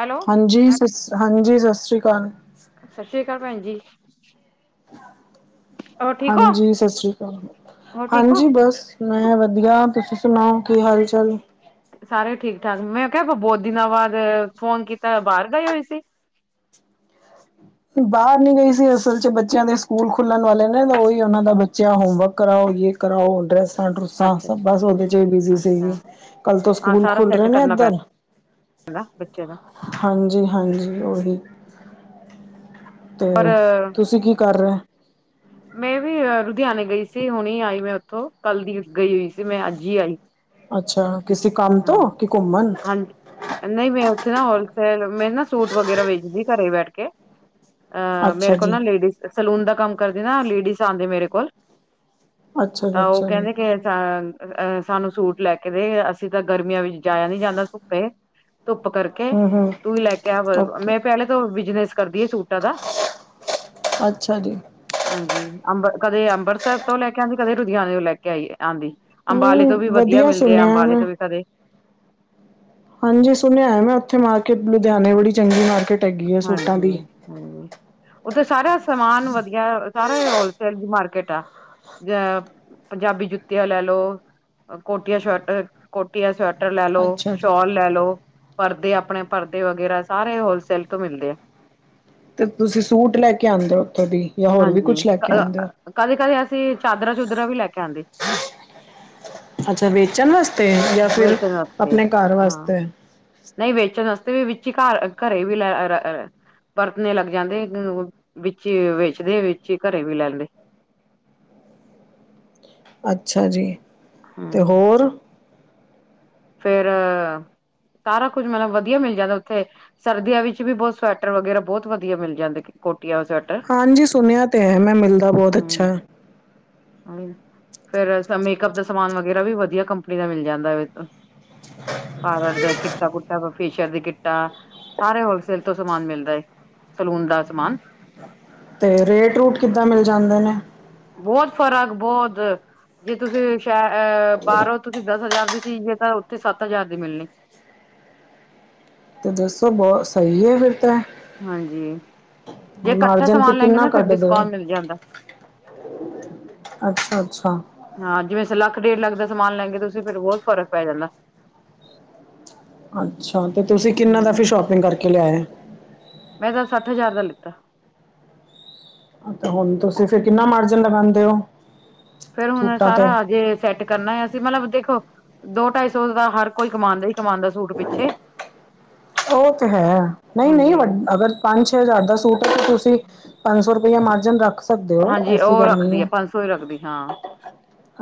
Hello ਹਾਂਜੀ ਸ ਹਾਂਜੀ ਸਤਿ ਸ਼੍ਰੀ ਅਕਾਲ ਸਤਿ ਸ੍ਰੀ ਅਕਾਲ ਭੈਣ ਜੀ ਹੋਰ ਠੀਕ ਹੋ ਹਾਂਜੀ ਸਤਿ ਸ੍ਰੀ ਅਕਾਲ ਹੋਰ ਠੀਕ ਹੋ ਹਾਂਜੀ ਬਸ ਮੈਂ ਵਧੀਆ ਤੁਸੀਂ ਸੁਣਾਓ ਕੀ ਹਾਲ ਚਾਲ ਹੈ ਸਾਰੇ ਠੀਕ ਠਾਕ ਮੈਂ ਕਿਹਾ ਬਹੁਤ ਦਿਨਾਂ ਬਾਅਦ ਫੋਨ ਕੀਤਾ ਬਾਹਰ ਗਏ ਹੋਏ ਸੀ ਬਾਹਰ ਨੀ ਗਈ ਸੀ ਅਸਲ ਚ ਬੱਚਿਆਂ ਦੇ ਸਕੂਲ ਖੁੱਲਣ ਵਾਲੇ ਨੇ ਤਾਂ ਉਹੀ ਉਹਨਾਂ ਦਾ ਬੱਚਿਆ ਹੋਮਵਰਕ ਯੇ ਕਰਾਓ ਯੇ ਕਰਾਓ ਬੋਲ ਰੇ ਸਡੂਸ ਸ ਅੱਛਾ ਸਭ ਅੱਛਾ ਬਸ ਉਹਦੇ ਚ ਵੀ ਬਿਜੀ ਅੱਛਾ ਸੀਗੀ ਕੱਲ ਤੋਂ ਸਕੂਲ ਖੁੱਲ ਰਹੇ ਨੇ ਇੱਧਰ ਹੈਨ ਬੱਚਿਆਂ ਦਾ ਹਾਂਜੀ-ਹਾਂਜੀ ਉਹੀ ਤੇ ਪਰ ਤੁਸੀਂ ਕੀ ਕਰ ਰਹੇ ਮੈਂ ਵੀ ਲੁਧਿਆਣੇ ਗਈ ਸੀ ਹੁਣੀ ਆਈ ਮੈਂ ਉੱਥੋਂ ਕੱਲ੍ਹ ਦੀ ਗਈ ਹੋਈ ਸੀ ਮੈਂ ਅੱਜ ਹੀ ਆਈ ਅੱਛਾ ਕਿਸੇ ਕੰਮ ਤੋਂ ਹਾਂਜੀ ਕਿ ਘੁੰਮਣ ਹਾਂਜੀ ਨਹੀਂ ਮੈਂ ਉੱਥੇ ਨਾ ਹੋਲਸੇਲ ਮੈਂ ਨਾ ਸੂਟ ਵਗੈਰਾ ਵੇਚਦੀ ਘਰੇ ਬੈਠ ਕੇ ਅਹ ਮੇਰੇ ਅੱਛਾ ਕੋਲ ਨਾ ਜੀ ਲੇਡੀਜ਼ ਸਲੂਨ ਦਾ ਕੰਮ ਕਰਦੀ ਨਾ ਲੇਡੀਜ਼ ਆਉਂਦੇ ਮੇਰੇ ਕੋਲ ਅੱਛਾ ਜੀ ਤਾਂ ਓ ਅੱਛਾ ਜੀ ਕੇਹਦੀ ਕਿ ਸਾਨ ਅਹ ਸਾਨੂੰ ਸੂਟ ਲੈ ਕੇ ਦੇ। ਅਸੀਂ ਤਾਂ ਗਰਮੀਆਂ ਵਿੱਚ ਜਾਇਆ ਨੀ ਜਾਂਦਾ ਧੁੱਪੇ ਧੁੱਪ ਕਰਕੇ ਹੂੰ ਹੂੰ ਤੂੰ ਈ ਲੈ ਕੇ ਆ। ਓਕੇ ਮੈਂ ਪੇਲੇ ਤੇ ਓ ਬਿਜਨਸ ਕਰਦੀ ਏ ਸੂਟਾਂ ਦਾ। ਅੱਛਾ ਜੀ ਹਾਂਜੀ ਅੰਬ ਕਦੇ ਅੰਬਰਸਰ ਤੋਂ ਲੈ ਕੇ ਆਂਦੀ ਕਦੇ ਲੁਧਿਆਣੇ ਤੋਂ ਲੈ ਕੇ ਆਈਏ। ਆਂਦੀ ਅੰਬਾਲੇ ਤੋਂ ਹੂੰ, ਵੀ ਵਧੀਆ ਮਿਲਦੇ ਆ ਸੁਣਿਆ ਅੰਬਾਲੇ ਮੈਂ। ਤੋਂ ਵੀ ਕਦੇ- ਹਾਂਜੀ ਸੁਣਿਆ ਮੈਂ ਓਥੇ ਮਾਰਕੀਟ ਲੁਧਿਆਣੇ ਬੜੀ ਚੰਗੀ ਮਾਰਕੀਟ। ਹੈਗੀ ਹੈ ਸੂਟਾਂ ਦੀ। ਹਾਂਜੀ ਹਾਂ ਉੱਥੇ ਸਾਰਾ ਸਮਾਨ ਵਧੀਆ ਸਾਰੇਾ ਹੋਲਸੇਲ ਦੀ ਮਾਰਕੀਟ ਆ ਜ ਪੰਜਾਬੀ ਜੁੱਤੀਆਂ ਲੈ ਲਓ। ਕੋਟੀਆ ਸਵੈਟਰ ਅ ਕੋਟੀਆ ਸਵੈਟਰ ਟਰ ਲੈ ਲੋ, ਅੱਛਾ ਜੀ। ਸ਼ੋਲ ਲੈ ਲੋ, ਪਰਦੇ ਆਪਣੇ ਪਰਦੇ ਵਗੈਰਾ ਸਾਰੇ ਹੋਲਸੇਲ ਤੋਂ ਮਿਲਦੇ ਆ। ਤੇ ਤੁਸੀਂ ਸੂਟ ਲੈ ਕੇ ਆਂਦੇ ਓਥੋਂ ਦੀ ਯਾ ਹੋਰ ਵੀ ਕੁਝ ਲੈ ਕੇ ਆਂਦੇ ਓ। ਕਦੇ ਕਦੇ ਅਸੀਂ ਚਾਦਰਾਂ ਚੂਦਰਾਂ ਵੀ ਲੈ ਕੇ ਆਂਦੇ। ਅੱਛਾ ਵੇਚਣ ਵਸਤੇ ਜਾਂ ਫਿਰ ਵੇਚਣ ਵਾਸਤੇ ਆਪਣੇ ਘਰ ਹਾਂ। ਵਸਤੇ ਨਈ ਵੇਚਣ ਵਸਤੇ ਵੀ ਵਿੱਚ ਵੀ ਘਰ ਘਰੇ ਵੀ ਲੈ ਅਰ ਰ ਪਰਤਣੇ ਲੱਗ ਜਾਂਦੇ ਵਿੱਚਈ ਵੇਚਦੇ ਵਿੱਚ ਈ ਘਰੇ ਵੀ ਲੈਂਦੇ। ਅੱਛਾ ਜੀ ਹੂੰ। ਤੇ ਹੋਰ ਫੇਰ ਸਾਰਾ ਕੁੱਝ ਮਤਲਬ ਵਧੀਆ ਮਿਲ ਜਾਂਦਾ ਓਥੇ। ਸਰਦੀਆਂ ਵਿੱਚ ਵੀ ਬੋਤ ਸਵੈਟਰ ਵਗੈਰਾ ਬੋਤ ਵਧੀਆ ਮਿਲ ਜਾਂਦੇ ਕੋਟੀਆਂ ਸਵੈਟ ਹਾਂਜੀ ਸੁਣਿਆ ਤੇ ਹੈ ਮੈਂ ਮਿਲਦਾ ਬੋਤ ਅੱਛਾ। ਹੂੰ। ਫੇਰ ਮੇਕਅਪ ਦਾ ਸਮਾਨ ਵਗੈਰਾ ਵੀ ਵਧੀਆ ਕੰਪਨੀ ਦਾ ਮਿਲ ਜਾਂਦਾ ਵੇ। ਪਾਵਰ ਦਾ ਕਿੱਟਾ ਕੁੱਟਾ ਦਾ ਫੈਸ਼ ਸ਼ੀਅਰ ਦੀ ਕਿਤਾ ਸਾਰੇ ਹੋਲਸੇਲ ਤੋਂ ਸਮਾਨ ਮਿਲਦਾ ਏ, ਸਲੂਨ ਦਾ ਸਮਾਨ। ਤੇ ਰੇਟ ਰੂਟ ਕਿੱਦਾਂ ਮਿਲ ਜਾਂਦੇ ਨੇ। ਬੋਤ ਫਰਕ ਬੋਦ। ਜੇ ਤੁਸੀਂ ਸ਼ ਅਹ ਬਾਰੋਂ ਤੁਸੀਂ ਦਸ ਹਜ਼ਾਰ ਦੀ ਚੀਜ਼ ਤਾਂ ਓਥੇ ਸੱਤ ਹਜ਼ਾਰ ਦੀ ਮਿਲਣੀ। ਤੇ ਦੱਸੋ ਬਹੁਤ ਸਈ ਏ ਫਿਰ ਤਾਂ। ਹਾਂਜੀ ਜ ਕੱਠਾ ਮਾਰਜਨ ਸਮਾਨ ਲੈਂਣੇ ਕਿੰਨਾ ਨਾ ਫਿਰ ਕੱਢਦੇ ਹੋ? ਡਿਸਕੋਂਟ ਮਿਲ ਜਾਂਦਾ। ਅੱਛਾ ਅੱਛਾ ਹਾਂ ਜਿਵੇਂ ਅਸੀ ਲੱਖ ਡੇਢ ਲੱਖ ਦਾ ਸਮਾਨ ਲੈਗੇ ਤੁਸੀ ਫੇਰ ਬੋਤ ਫਰਕ ਪੈ ਜਾਂਦਾ। ਅੱਛਾ ਤੇ ਤੁਸੀਂ ਕਿੰਨਾ ਦਾ ਫਿਰ ਹਮ ਸ਼ੋਪਿੰਗ ਕਰਕੇ ਲਿਆਏ। ਮੈਂ ਤਾਂ ਸੱਠ ਹਜ਼ਾਰ ਦਾ ਲਿੱਤਾ। ਹੁਣ ਤੁਸੀਂ ਫਿਰ ਹਮ ਕਿੰਨਾ ਮਾਰਜਨ ਲਗਾਂਦੇ ਓ। ਫੇਰ ਹੁਣ ਏ ਸਾਰਾ ਆਜੇ। ਸੈੱਟ ਕਰਨਾ ਅਸੀਂ ਮਤਲਬ ਦੇਖੋ ਦੋ ਢਾਈ ਸੌ ਦਾ ਹਰ ਕੋਈ ਕਮਾਦਾ ਈ ਕਮਾਂਦਾ। ਓ ਤੇ ਹੈ ਨਈ ਨਈ ਹਾਂਜੀ ਵਡ ਅਗਰ ਪੰਜ ਛੇ ਹਜ਼ਾਰ ਦਾ ਸੂਟ ਤੁਸੀਂ ਪੰਜ ਸੌ ਰੁਪਇਆ ਮਾਰਜਨ ਰੱਖ ਸਕਦੇ ਹੋ ਹਾਂਜੀ ਐਸੀ ਉਹ ਗੱਲ ਨਹੀਂ ਰੱਖਦੀ ਏ ਹੈ ਪੰਜ ਸੌ ਈ ਰੱਖਦੀ। ਹਾਂ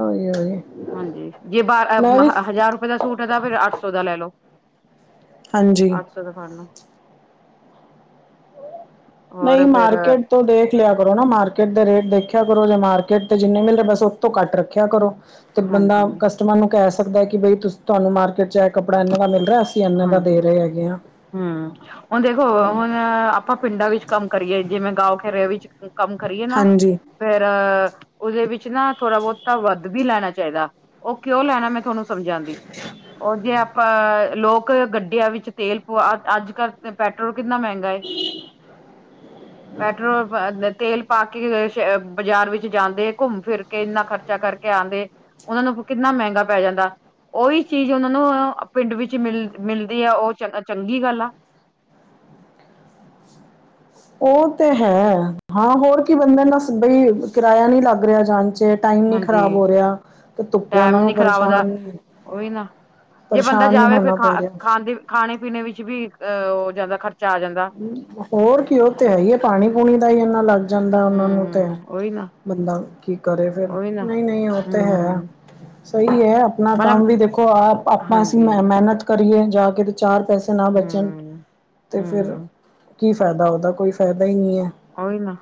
ਉਹੀ ਉਹੀ ਹਾਂਜੀ ਜੇ ਬਾਰ ਆ ਮੈਂ ਵੀ ਆ ਹਜ਼ਾਰ ਰੁਪਏ ਦਾ ਸੂਟ ਏ ਤਾਂ ਫੇਰ ਅੱਠ ਸੌ ਦਾ ਲੈ ਲੋ। ਹਾਂਜੀ ਤੇ ਸਾਨੂੰ, ਨਈ ਹੋਰ ਫੇਰ ਮਾਰਕੀਟ, ਤੋਂ ਦੇਖ ਲਿਆ ਕਰੋ, ਨਾ ਮਾਰਕੀਟ ਦੇ ਰੇਟ ਦੇਖਿਆ ਕਰੋ, ਜਾਂ ਮਾਰਕੀਟ ਤੇ ਜਿੰਨੇ ਮਿਲਦੇ ਬਸ ਓਤੋਂ ਘੱਟ ਰੱਖਿਆ ਕਰੋ। ਤੇ ਬੰਦਾ ਹਾਂਜੀ ਕਸਟਮਰ ਨੂੰ ਕੈ ਸਕਦਾ, ਕਿ ਬਈਂ ਤਾਨੂੰ ਮਾਰਕੀਟ' ਚ ਏ ਕੱਪੜਾ ਏਨਾਂ ਦਾ ਮਿਲ ਰਿਆ। ਹਾਂਜੀ ਹੂੰ ਹੁਣ ਦੇਖੋ ਔ ਹੁਣ ਆ ਆਪਾਂ ਪਿੰਡਾਂ ਵਿੱਚ ਕੰਮ ਕਰੀਏ, ਜਿਵੇਂ ਗਾਓ ਖੇਰੇ ਵਿੱਚ ਕੰਮ ਕਰੀਏ ਨਾ। ਹਾਂਜੀ ਫੇਰ ਓਦੇ ਵਿੱਚ ਨਾ ਥੋੜਾ ਬੋਤਾ ਵੱਧ ਵੀ ਲੈਣਾ ਚਾਈਦਾ, ਔ ਕਿਉਂ ਲੈਣਾ ਮੈਂ ਤਾਨੂੰ ਸਮਝਾਉਂਦੀ, ਉਹ ਜੇ ਆਪਾਂ ਲੋਕ ਗੱਡਿਆਂ ਵਿੱਚ ਤੇਲ ਪੁਆ ਅੱਜ ਕੱਲ੍ਹ ਪੈਟਰੋਲ ਕਿੰਨਾ ਮਹਿੰਗਾ ਹੈ, ਪੈਟਰੋਲ ਤੇਲ ਪਾ ਕੇ ਬਾਜ਼ਾਰ ਵਿੱਚ ਜਾਂਦੇ, ਘੁੰਮ ਫਿਰ ਕੇ ਇੰਨਾ ਖਰਚਾ ਕਰਕੇ ਆਉਂਦੇ ਉਹਨਾਂ ਨੂੰ ਕਿੰਨਾ ਮਹਿੰਗਾ ਪੈ ਜਾਂਦਾ, ਉਹੀ ਚੀਜ਼ ਉਹਨਾਂ ਨੂੰ ਪਿੰਡ ਵਿੱਚ ਮਿਲ ਮਿਲਦੀ ਆ ਉਹ ਚੰ ਚੰਗੀ ਗੱਲ ਆ। ਉਹ ਤੇ ਹੈ, ਹਾਂ ਹੋਰ ਕੀ ਬੰਦੇ ਨਾ ਬਈ ਕਿਰਾਇਆ ਨਹੀਂ ਲੱਗ ਰਿਹਾ ਜਾਣ ਚ ਟਾਈਮ ਨੀ ਹਾਂਜੀ ਖ਼ਰਾਬ ਹੋ ਰਿਹਾ, ਤੇ ਤੁੁੱਪੇ ਟੈਮ ਉਹਨਾ ਨੂੰ ਨੀ ਖ਼ਰਾਬ ਹੁੰਦਾ ਪਰੇਸ਼ਾਨ ਉਹੀ ਨਾ ਜੇ ਬੰਦਾ ਪਰੇਸ਼ਾਨ ਨਹੀਂ ਜਾਵੇ ਫਿਰ ਹੋਣਾ ਖਾ ਪੈਜੇ। ਖਾਣ ਦੇ ਖਾਣੇ ਪੀਣੇ ਵਿੱਚ ਵੀ ਅਹ ਔ ਜਾਂਦਾ ਖਰਚਾ ਆ ਜਾਂਦਾ। ਹੋਰ ਕਿ ਉਹ ਤੇ ਹੈ ਹੀ ਹੈ, ਪਾਣੀ ਪੂਣੀ ਦਾ ਹੀ ਇਨਾ ਲੱਗ ਜਾਂਦਾ ਉਹਨਾਂ ਨੂੰ ਤੇ। ਹੂੰ ਉਹੀ ਨਾ ਬੰਦਾ ਕੀ ਕਰੇ ਫਿਰ ਉਹੀ ਨਾ ਨਹੀਂ-ਨਹੀਂ ਉਹ ਤੇ ਹੈ, ਹੂੰ ਸਹੀ ਹੈ। ਆਪਣਾ ਮਤਲਬ ਕੰਮ ਵੀ ਦੇਖੋ, ਆਪ ਆਪਾਂ ਅਸੀਂ ਹਾਂਜੀ ਮੈ ਮੇਨਤ ਕਰੀਏ ਜਾ ਕੇ ਤੇ ਚਾਰ ਪੈਸੇ ਨਾ ਬਚਣ ਹੂੰ ਅਤੇ ਫਿਰ ਹੂੰ, ਕੀ ਫੈਦਾ ਓਦਾ, ਕੋਈ ਫੈਦਾ ਈ ਨਈ ਐ। ਓਈ ਨਾ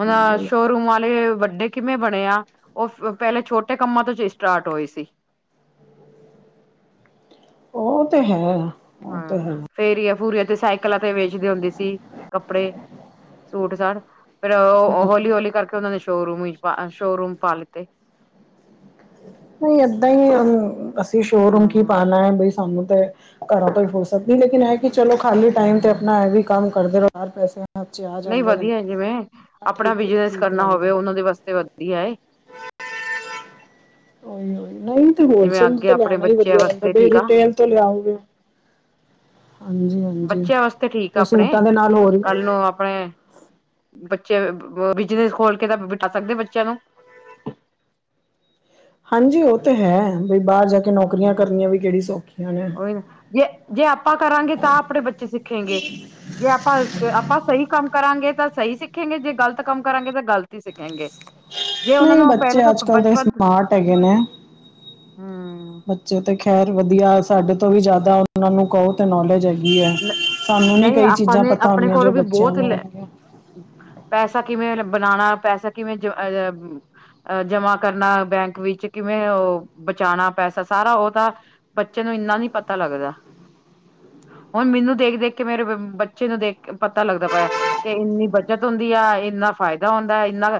ਹੁਣ ਸ਼ੋਰੂਮ ਵਾਲੇ ਵੱਡੇ ਕਿਵੇਂ ਬਣੇ ਆ। ਓ ਫ ਪੈਲੇ ਛੋਟੇ ਕੰਮਾਂ ਤੋਂ 'ਚ ਈ ਸਟਾਰਟ ਹੋਏ ਸੀ। ਉਹ ਤੇ ਹੈ। ਉਹ ਹੂੰ, ਤੇ ਹੈ ਫੇਰੀਆਂ ਫੂਰੀਆਂ ਤੇ ਸਾਈਕਲਾਂ ਤੇ ਵੇਚਦੇ ਹੁੰਦੇ ਸੀ, ਕੱਪੜੇ ਸੂਟ- ਸਾਟ। ਫਿਰ ਹਮ ਉਹ ਹੌਲੀ, ਹੌਲੀ ਕਰਕੇ ਉਹਨਾਂ ਨੇ ਸ਼ੋ-ਰੂਮ ਸ਼ੋ-ਰੂਮ ਪਾ ਲਿਤੇ। ਨਹੀਂ ਏਦਾਂ ਹੀ ਏ ਅਸੀਂ ਸ਼ੋਰੂਮ ਕੀ ਹੂੰ ਪਾਣਾ ਹੈ, ਬਈ ਸਾਨੂੰ ਤੇ ਘਰੋਂ ਤੋਂ ਹੀ ਫੁਰਸਤ ਨਹੀ, ਲੇਕਿਨ ਇਹ ਕਿ ਚਲੋ ਖਾਲੀ ਟਾਈਮ ਤੇ ਆਪਣਾ ਇਹ ਵੀ ਕੰਮ ਕਰਦੇ ਰਹੋ ਚਾਰ ਪੈਸੇ ਹੱਥ 'ਚ ਆ ਨਹੀਂ ਜਾਂਦੇ ਨੇ ਵਧੀਆ, ਜਿਵੇਂ ਹਾਂ ਆਪਣਾ ਠੀਕ ਬਿਜਨਸ ਠੀਕ ਕਰਨਾ ਰਹਿੰਦਾ ਹੋਵੇ, ਉਹਨਾਂ ਦੇ ਵਾਸਤੇ ਵਧੀਆ ਏ। ਉਹੀ-ੳਹੀ ਨਹੀਂ ਤੇ ਜਿਵੇਂ ਹੋਲਸੇਲ ਅੱਗੇ ਤੋਂ ਆਪਣੇ ਲਿਆਣਾ ਈ ਬੱਚਿਆਂ ਵਧੀਆ ਰਹਿੰਦਾ ਵਾਸਤੇ ਬ ਠੀਕ ਆ ਰਿਟੇਲ ਤੋਂ ਲਿਆਉਗੇ। ਹਾਂਜੀ, ਹਾਂਜੀ ਬੱਚਿਆਂ ਵਾਸਤੇ ਠੀਕ ਆ ਤੇ ਆਪਣੇ ਸੂਟਾਂ ਦੇ ਨਾਲ ਹੋਰ ਕੱਲ ਆਪਣੇ ਬੱਚੇ ਬਿਜਨਸ ਖੋਲ ਕੇ ਤਾਂ ਬਿਠਾ, ਸਕਦੇ ਬੱਚਿਆਂ ਨੂੰ। ਹਾਂਜੀ ਉਹ ਤੇ ਹੈ, ਬਈ ਬਾਹਰ ਜਾ ਕੇ ਨੌਕਰੀਆਂ ਹੂੰ ਕਰਨੀਆਂ ਵੀ ਕਿਹੜੀ ਸੌਖੀਆਂ ਨੇ। ਉਹੀ ਜੇ, ਜੇ ਆਪਾਂ ਕਰਾਂਗੇ ਤਾਂ ਆਪਣੇ ਬੱਚੇ ਸਿੱਖੇਗੇ ਜੇ ਆਪਾਂ ਆਪਾਂ ਸਹੀ ਕੰਮ ਕਰਾਂਗੇ, ਤਾਂ ਸਹੀ ਸਿੱਖੇਗੇ ਜੇ ਗ਼ਲਤ ਕੰਮ ਕਰਾਂਗੇ ਤਾਂ ਗ਼ਲਤ ਹੀ ਸਿੱਖੇਗੇ। ਜੇ ਉਹਨਾਂ ਨਹੀਂ ਨੂੰ ਬੱਚੇ ਪਹਿਲੇ ਤੋਂ ਅੱਜ-ਕੱਲ੍ਹ ਦੇ ਬਚਪਨ ਸਮਾਰਟ ਹੈਗੇ ਨੇ ਹਮ ਜੇ ਤੇ ਖੈਰ ਵਧੀਆ ਸਾਡੇ ਤੋਂ ਵੀ ਜ਼ਿਆਦਾ ਉਹਨਾਂ ਨੂੰ ਕਹੋ ਨੌਲੇਜ ਹੈਗੀ ਏ, ਸਾਨੂੰ ਨੀ ਨਹੀਂ ਕਈ ਆਪਾਂ ਚੀਜ਼ਾਂ ਨੇ ਪਤਾ ਆਪਣੇ ਹੁੰਦਿਆਂ ਕੋਲ ਜੋ ਵੀ ਬੱਚਿਆਂ ਬਹੁਤ ਲੈ ਨੂੰ ਪੈਸਾ ਕਿਵੇਂ ਬਣਾਉਣਾ ਪੈਸਾ ਕਿਵੇਂ ਅ ਜਮਾ ਕਰਨਾ ਬੈਂਕ ਵਿੱਚ ਕਿਵੇਂ, ਉਹ ਬਚਾਉਣਾ ਪੈਸਾ ਸਾਰਾ ਉਹ ਤਾਂ ਬੱਚੇ ਨੂੰ ਇੰਨਾ ਨੀ ਪਤਾ ਲੱਗਦਾ। ਹੁਣ ਮੈਨੂੰ ਦੇਖ-ਦੇਖ ਕੇ ਮੇਰੇ ਬੱਚੇ ਨੂੰ ਦੇਖ ਪਤਾ ਲੱਗਦਾ, ਪਾਇਆ ਕਿ ਇੰਨੀ ਬੱਚਤ ਹੁੰਦੀ ਆ, ਇੰਨਾ ਫਾਇਦਾ ਹੁੰਦਾ ਇੰਨਾ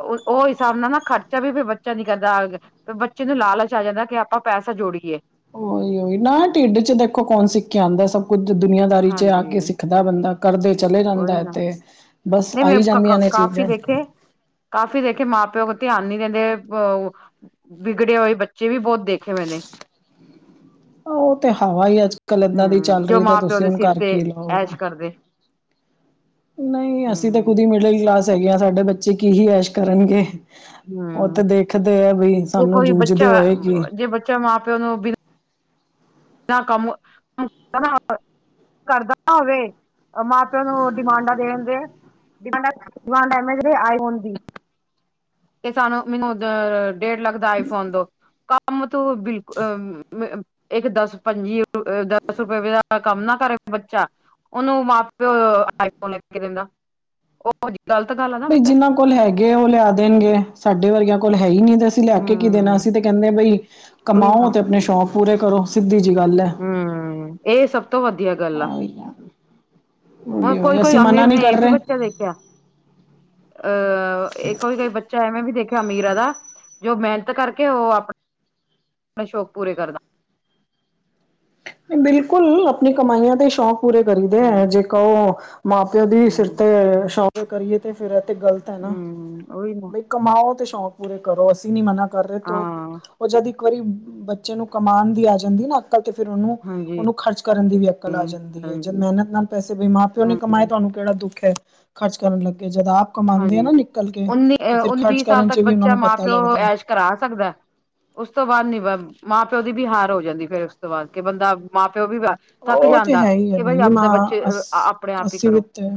ਉਹ ਹਿਸਾਬ ਨਾਲ ਨਾ ਖਰਚਾ ਵੀ ਫਿਰ ਬੱਚਾ ਨੀ ਕਰਦਾ ਆ ਤੇ ਬੱਚੇ ਨੂੰ ਲਾਲਚ ਆ ਜਾਂਦਾ, ਕਿ ਆਪਾਂ ਪੈਸਾ ਜੋੜੀਏ। ਉਹੀ ਉਹੀ ਨਾ ਢਿੱਡ ਚ ਦੇਖੋ, ਕੌਣ ਸਿੱਖ ਆਦਾ ਸਭ ਕੁੱਝ ਦੁਨੀਆਂਦਾਰੀ ਚ ਆ ਹਾਂਜੀ ਕੇ ਸਿੱਖਦਾ ਬੰਦਾ। ਕਰਦੇ ਚਲੇ ਉਹੀ ਜਾਂਦਾ ਏ, ਨਾ ਤੇ ਬਸ ਨਹੀਂ ਮੈਂ ਆਈ ਜਾਂਦੀਆਂ ਨੇ ਕਾਫ਼ੀ ਚੀਜ਼ਾਂ। ਦੇਖੇ ਕਾਫ਼ੀ ਦੇਖ ਮਾਂ ਪਿਓ ਧਿਆਨ ਨੀ ਦਿੰਦੇ, ਬ ਔ ਵਿਗੜੇ ਹੋਏ ਬੱਚੇ ਵੀ ਬਹੁਤ ਦੇਖੇ ਮੈਨੇ। ਉਹ ਤੇ ਹਵਾ ਹੀ ਅੱਜ-ਕੱਲ ਏਦਾਂ ਦੀ ਹੂੰ ਚੱਲ ਜੋ ਰਹੀ ਤੇ ਮਾਂ ਪਿਓ ਤੁਸੀਂ ਦੇ ਉਹਨੂੰ ਸਿਰ ਤੇ ਕਰਕੇ ਲਓਗੇ। ਐਸ਼ ਕਰਦੇ ਨਹੀਂ-ਨਹੀ ਅਸੀਂ ਤਾਂ ਖੁਦ ਹੂੰ ਹੀ ਮਿਡਲ ਕਲਾਸ ਹੈਗੇ, ਹਾਂ ਸਾਡੇ ਬੱਚੇ ਕੀ ਹੀ ਐਸ਼ ਕਰਨਗੇ। ਉਹ ਤੇ ਹੂੰ ਦੇਖਦੇ ਆ ਵੀ ਸਾਨੂੰ ਜੂਝਦੇ ਹੋਏ ਕਿ ਚਲ ਮਾਂ ਪਿਓ ਨੂੰ ਬਿ ਨਾ ਕੰਮ ਕਰਦਾ ਨਾ ਹੋਵੇ, ਮਾਂ ਪਿਓ ਨੂੰ ਡਿਮਾਂਡਾਂ ਦੇਣ ਦੇ ਡਿਮਾਂਡ ਆਏ ਹੋਂਦੀ ਤੇ ਸਾਨੂੰ ਮੈਨੂੰ ਔਦਰ ਡੇਢ ਲੱਖ ਦਾ ਆਈਫੋਨ ਦੌ, ਕੰਮ ਤੂੰ ਬਿਲਕੁਲ ਇੱਕ ਦੱਸ ਪੰਜੀ ਦਸ ਰੁਪਏ ਦਾ ਕੰਮ ਨਾ ਕਰੇ ਬੱਚਾ ਉਹਨੂੰ ਮਾਂ ਪਿਓ ਆਈਫੋਨ ਲੈ ਕੇ ਦਿੰਦਾ, ਉਹ ਜਿਹੀ ਗ਼ਲਤ ਗੱਲ ਆ ਨਾ ਬਈ ਜਿਨਾਂ ਕੋਲ ਹੈਗੇ ਉਹ ਲਿਆ ਦੇਣਗੇ, ਸਾਡੇ ਵਰਗਿਆਂ ਕੋਲ ਹੈ ਹੀ ਨਹੀ ਤੇ ਲੈ ਕੇ ਕੀ ਦੇਣਾ ਹਮ ਅਸੀ ਤੇ ਕਹਿੰਦੇ ਬਈ ਉਹੀ ਕਮਾਓ, ਨਾ ਤੇ ਆਪਣੇ ਸ਼ੌਕ ਪੂਰੇ ਕਰੋ ਸਿੱਧੀ ਜਿਹੀ ਗੱਲ ਹੈ ਹੂੰ, ਇਹ ਸਭ ਤੋਂ ਵਧੀਆ ਗੱਲ ਆ ਉਹੀ ਹੁਣ ਉਹੀ ਕੋਈ-ਕੋਈ, ਅਸੀਂ ਮਨਾ ਅਮੀਰ ਨਹੀਂ ਕਰ ਇਹ ਵੀ ਰਹੇ ਬੱਚਾ ਦੇਖਿਆ ਅਹ ਇੱਕ ਕੋਈ ਬੱਚਾ ਹੈ, ਮੈਂ ਵੀ ਦੇਖਿਆ ਅਮੀਰਾ ਦਾ ਜੋ ਮਿਹਨਤ ਕਰਕੇ, ਉਹ ਆਪਣਾ ਆਪਣੇ ਸ਼ੌਕ ਪੂਰੇ ਕਰਦਾ ਬਿਲਕੁਲ ਆਪਣੀ ਕਮਾਈਆਂ ਤੇ ਸ਼ੌਂਕ ਪੂਰੇ ਕਰੀ ਦੇ ਹਮ ਜੇ ਕਹੋ, ਉਹ ਮਾਂ ਪਿਓ ਦੀ ਸਿਰ ਹਮ ਤੇ ਸ਼ੋ ਪਰੇ ਕਰੀਏ, ਤੇ ਫੇਰ ਇਹ ਤੇ ਗਲਤ ਹੈ, ਨਾ ਹਮ ਉਹੀ ਨਾ ਬਈ ਕਮਾਓ ਤੇ ਸ਼ੌਂਕ ਪੂਰੇ ਕਰੋ ਅਸੀਂ ਨੀ ਮਨਾ ਕਰ ਰਹੇ ਤੋ, ਹਾਂ ੳਹ ਜਦ ਇੱਕ ਵਾਰੀ ਬੱਚੇ ਨੂੰ ਕਮਾਣ ਦੀ ਆ ਜਾਂਦੀ ਨਾ ਅਕਲ ਤੇ ਫਿਰ ਉਹਨੂੰ ਹਾਂਜੀ ਉਹਨੂੰ ਖਰਚ ਕਰਨ ਦੀ ਵੀ ਅਕਲ ਆ ਜਾਂਦੀ ਏ, ਜਦ ਹਾਂਜੀ ਮਿਹਨਤ ਨਾਲ ਪੈਸੇ ਬਈ ਮਾਂ ਪਿਓ ਨੇ ਹਾਂਜੀ ਕਮਾਏ ਤੁਹਾਨੂੰ ਕਿਹੜਾ ਦੁੱਖ ਹੈ, ਖਰਚ ਕਰਨ ਲੱਗੇ ਜਦ ਆਪ ਕਮਾਉਂਦੇ ਆ ਹਾਂਜੀ ਨਾ ਨਿਕਲ ਕੇ, ਉੱਨੀ ਤੇ ਅ ਫਿਰ ਉੱਨੀ ਖਰਚ ਵੀਹ ਸਾਲ ਕਰਨ ਚ ਤੱਕ ਵੀ ਉਹਨਾਂ ਬੱਚਾ ਨੂੰ ਮਾਂ ਪਤਾ ਪਿਓ ਲੱਗਦਾ ਏ। ਐਸ਼ ਕਰਾ ਸਕਦਾ ਏ। ਉਸ ਤੋਂ ਬਾਅਦ ਨੀ ਮਾਂ ਪਿਓ ਦੀ ਵੀ ਹਾਰ ਹੋ ਜਾਂਦੀ, ਫੇਰ ਉਸ ਤੋਂ ਬਾਅਦ ਕੇ ਬੰਦਾ ਮਾਂ ਪਿਓ ਵੀ ਤੱਖ ਉਹ ਤੇ ਜਾਂਦਾ ਹੈ ਹੀ ਹੈ ਕਿ ਬਾਈ, ਬਈ ਆਪਦੇ ਮਾਂ ਬੱਚੇ ਅਸ ਆਪਣੇ ਆਪ ਹੀ ਅੱਸੀ ਕਰੋ।। ਵਿੱਚ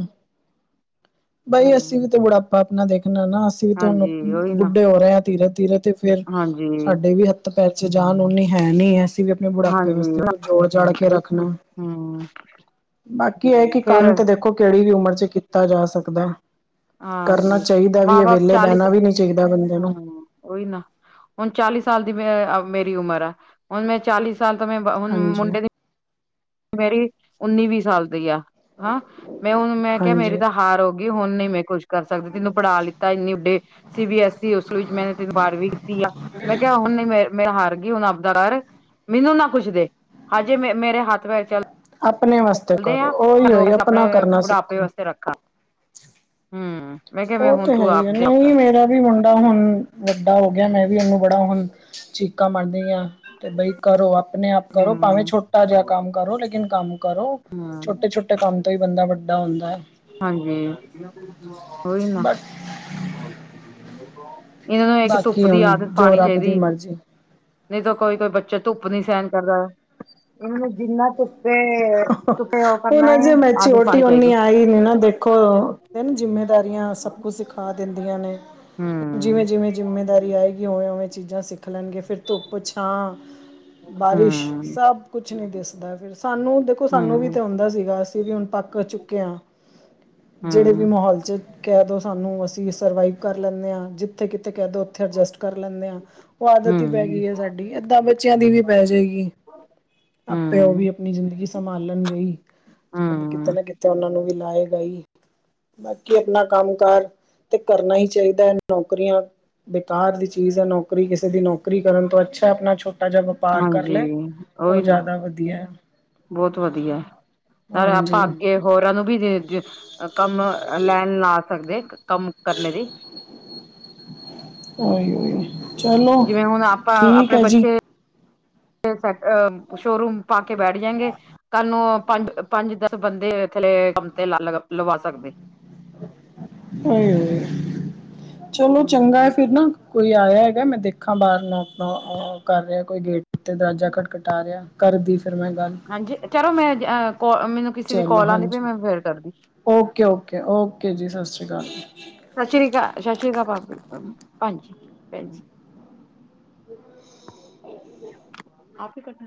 ਬਾਈ ਅਸੀਂ ਵੀ ਹਮ ਤੇ ਬੁਢਾਪਾ, ਆਪਣਾ ਦੇਖਨਾ ਨਾ ਅਸੀਂ ਵੀ ਤੇ ਹੁਣ ਹਾਂਜੀ ਉਹੀ ਨਾ ਬੁੱਢੇ ਹੋ ਰਹੇ ਹਾਂ, ਧੀਰੇ-ਧੀਰੇ ਤੇ ਫੇਰ ਹਾਂਜੀ ਸਾਡੇ ਵੀ ਹੱਥ ਪੈਰ ਚ, ਜਾਨ ੳਨੀ ਹੈ ਨੀ ਅਸੀ ਵੀ ਆਪਣੇ ਬੁਢਾਪੇ ਹਾਂਜੀ ਵਾਸਤੇ ਕੋਈ ਜੋੜ ਜਾੜ ਕੇ ਰੱਖਣਾ ਹਮ ਬਾਕੀ ਇਹ ਕਿ ਫੇਰ ਕੰਮ ਤੇ ਦੇਖੋ, ਕਿਹੜੀ ਵੀ ਉਮਰ ਚ ਕੀਤਾ ਜਾ ਸਕਦਾ ਕਰਨਾ ਹਾਂਜੀ ਚਾਹੀਦਾ ਵੀ ਮਾਂ ਹੈ, ਬਾਪ ਵਿਹਲੇ ਚਾਲੀ ਬਹਿਣਾ ਵੀ ਨੀ ਚਾਹੀਦਾ ਬੰਦੇ ਨੂੰ ਹਮ ਉਹੀ ਨਾ ਹੁਣ ਚਾਲੀ ਸਾਲ ਦੀ ੳਮਰ, ਮੇਰੀ ਉਮਰ ਹੈ ਹੁਣ ਮੈਂ ਚਾਲੀ ਸਾਲ ਤੋ ਮੈਂ ਹੁਣ ਹਾਂਜੀ ਮੁੰਡੇ ਦੀ ਮੇਰੀ ਉੱਨੀ ਵੀਹ ਸਾਲ ਦੀ ਆ ਹੈ, ਮੈਂ ਹੁਣ ਮੈਂ ਕਿਹਾ ਮੇਰੀ ਹਾਂਜੀ ਤਾਂ ਹਾਰ ਹੋ ਗਈ ਹੁਣ ਨਹੀ, ਮੈਂ ਕੁਛ ਕਰ ਸਕਦੀ, ਤੈਨੂੰ ਪੜ੍ਹਾ ਲਿੱਤਾ ਇੰਨੇ ਵੱਡੇ ਸੀ ਬੀ ਐਸ ਉਸ ਵਿੱਚ ਮੈ ਤਿੰਨ ਬਾਰਵੀਂ ਕੀਤੀ ਆ ਮੈਂ ਕਿਹਾ ਹੁਣ ਨੀ ਮੇ ਮੇਰਾ ਹਾਰ ਗਈ ਹੁਣ ਆਪਦਾ ਡਰ ਮੈਨੂੰ ਨਾ ਕੁੱਛਦੇ ਹਜੇ ਮੇ ਮੇਰੇ ਹੱਥ ਆਪਣੇ ਵਾਸਤੇ ਚਲਦੇ ਆ ਕਰੋ ਉਹੀ ਉਹੀ ਆਪਣਾ ਆਪਣੇ ਕਰਨਾ ਬੁਢਾਪੇ ਸਿੱਖੋ ਵਾਸਤੇ ਰੱਖਾਂ ਹੂੰ, ਮੈਂ ਕਿਹਾ ਮੈਂ ਉਹ ਤੇ ਹੁਣ ਹੈ ਤੂੰ ਹੀ ਆ, ਆਪਦੇ ਨਹੀ ਹੂੰ ਮੇਰਾ ਵੀ ਮੁੰਡਾ ਬੜਾ ਹੁਣ ਵੱਡਾ ਹੋ ਗਿਆ, ਮੈਂ ਵੀ ਇਹਨੂੰ ਬੜਾ ਹੁਣ ਚੀਕਾ ਮਾਰਦੀ ਹਾ ਤੇ ਬਈ ਕਰੋ, ਆਪਣੇ ਆਪ ਕਰੋ, ਭਾਵੇਂ ਛੋਟਾ ਜਿਹਾ ਹੂੰ ਕੰਮ ਕਰੋ ਲੇਕਿਨ ਕੰਮ ਕਰੋ ਛੋਟੇ-ਛੋਟੇ ਕੰਮ ਤੋਂ ਹੀ ਬੰਦਾ ਵੱਡਾ ਹੁੰਦਾ ਹੈ ਹਾਂਜੀ, ਉਹੀ ਨਾ ਇਹਨਾਂ ਨੂੰ ਇੱਕ ਧੁੱਪ ਬਾਕੀ ਦੀ ਹੁਣ ਆਦਤ ਜੋ ਪਾਣੀ ਰੱਬ ਦੀ ਚਾਹੀਦੀ। ਮਰਜ਼ੀ ਨਹੀ ਤਾਂ ਕੋਈ-ਕੋਈ ਬੱਚਾ ਧੁੱਪ ਨੀ ਸਹਿਣ ਕਰਦਾ, ਇਹ ਜਿੰਨਾ ਧੁੱਪੇ ਧੁੱਪੇ ਉਹ ਕਰਨਾ ਹੁਣ ਹੈ ਅਜੇ ਆਦਤ ਮੈਂਚਯੌਰਟੀ ਪਾਣੀ ਚਾਹੀਦੀ ੳਨੀ ਆਇ ਨ ਨਾ ਦੇਖੋ, ਨਾ ਜਿੰਮੇਦਾਰੀਆਂ ਸਭ ਕੁਛ ਸਿਖਾ ਦਿੰਦੀਆਂ ਨੇ ਹਮ ਜਿਵੇਂ-ਜਿਵੇਂ ਜਿੰਮੇਦਾਰੀ ਆਏਗੀ, ਉਵੇ-ਉਵੇ ਚੀਜ਼ਾਂ ਸਿੱਖ ਲੈਣਗੇ ਫਿਰ ਧੁੱਪ ਛਾ ਬਾਰਿਸ਼ ਹਮ ਸਬ ਕੁਛ ਨਹੀ ਦਿਸ ਫਿਰ ਸਾਨੂੰ ਦੇਖੋ ਸਾਨੂੰ ਵੀ ਹਮ ਤੇ ਆਉਂਦਾ ਸੀਗਾ, ਅਸੀ ਵੀ ਹੁਣ ਪੱਕ ਚੁੱਕੇ ਹਾ ਜਿਹੜੇ ਵੀ ਹਮ ਮਾਹੌਲ ਚ ਕਹਿ ਦੋ ਸਾਨੂੰ ਅਸੀਂ ਸਰਵਾਈਵ ਕਰ ਲੈਂਨੇ ਆਂ, ਜਿੱਥੇ ਕਿੱਥੇ ਕਹਿ ਦੋ ਉੱਥੇ ਅਡਜਸਟ ਕਰ ਲੈਂਨੇ ਆਂ। ਉਹ ਆਦਤ ਹੀ ਪੈ ਹਮ ਗੀ ਐ ਸਾਡੀ, ਏਦਾਂ ਬੱਚਿਆਂ ਦੀ ਵੀ ਪੈ ਜੇਗੀ। ਪਿਓ ਵੀ ਹਮ ਆਪਣੀ ਜ਼ਿੰਦਗੀ ਸੰਭਾਲਣਗੇ ਈ, ਸਭ ਕਿਤੇ ਹਮ ਨਾ ਕਿਤੇ ਉਹਨਾਂ ਨੂੰ ਵੀ ਲਾਏਗਾ ਈ। ਬਾਕੀ ਆਪਣਾ ਕੰਮ-ਕਾਰ ਤੇ ਕਰਨਾ ਹੀ ਚਾਹੀਦਾ ਐ, ਨੌਕਰੀਆਂ ਬੇਕਾਰ ਦੀ ਚੀਜ਼ ਐ ਨੌਕਰੀ, ਕਿਸੇ ਦੀ ਨੌਕਰੀ ਕਰਨ ਤੋਂ ਅੱਛਾ, ਆਪਣਾ ਛੋ ਛੋਟਾ ਜਾਂ ਵਪਾਰ ਕਰ ਹਾਂਜੀ ਲੈ, ਉਹ ਉਹੀ ਨਾ ਜ਼ਾਦਾ ਵਧੀਆ। ਹੈ ਬਹੁਤ ਵਧੀਆ, ਨਾਲ ਹਾਂਜੀ ਆਪਾਂ ਅੱਗੇ ਹੋ ਹੋਰਾਂ ਨੂੰ ਵੀ ਵੀ ਕੰਮ ਲੈਣ ਲਾ ਸਕਦੇ, ਕੰਮ ਕਰਨੇ ਦੀ ਓਹੀ, ਚਲੋ ਜਿਵੇਂ ਹੁਣ ਠੀਕ ਹੈ ਜੀ। ਸੈਟ ਅ ਸ਼ੋਰੂਮ ਪਾ ਕੇ ਬੈਠ ਜਾਂਅਗੇ। ਕੱਲ੍ਹ ਨੂੰ ਓਹ ਪੰਜ- ਪੰਜ ਦਸ ਬੰਦੇ ਥੱਲੇ ਕੰਮ ਤੇ ਲ ਲਾ ਲਵਾ ਸਕਦੇ। ਹੂੰ, ਚਲੋ ਚੰਗਾ ਏ ਹੂੰ ਫਿਰ ਨਾ ਕੋਈ ਆਇਆ ਹੈਗਾ, ਮੈਂ ਦੇਖਾ ਬਾਹਰ ਨੋਕ ਨੋ ਓਹ ਕਰ ਰਿਆ ਕੋਈ ਗੇਟ। ਤੇ ਦਰਵਾਜਾ ਖਟਖਟਾ ਰਿਆ, ਕਰਦੀ ਫਿਰ ਮੈਂ ਗੱਲ। ਹਾਂਜੀ, ਚਲੋ ਮੈਂ ਅ ਕੋ ਮੈਨੂੰ ਕਿਸੇ ਦੀ ਚਲੋ ਕਾਲ ਆਉਂਦੀ ਪਈ ਹਾਂਜੀ, ਮੈਂ ਫੇਰ ਕਰਦੀ ਓਕੇ- ਓਕੇ -ਓਕੇ ਜੀ, ਸਾਸ ਰੀ ਕਾਲ। ਸ਼ਸਰੀ ਕਾਲ, ਸ਼ਸਰੀ ਕਾਲ ਭਾਬੀ, ਭੈਣ ਜੀ -ਭੈਣ ਜੀ। [unintelligible] ਆਪ ਈ ਕੱਟਨ